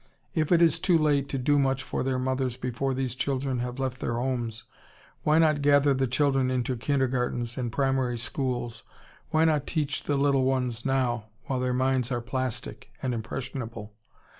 If it is too late to do much for their mothers before these children have left their homes, why not gather the children into kindergartens and primary schools, why not teach the little ones now while their minds are plastic and impressionable?